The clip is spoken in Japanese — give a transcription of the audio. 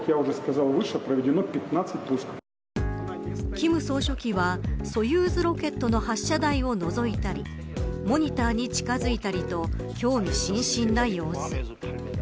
金総書記はソユーズロケットの発射台をのぞいたりモニターに近づいたりと興味津々な様子。